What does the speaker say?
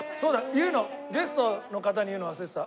言うのゲストの方に言うの忘れてた。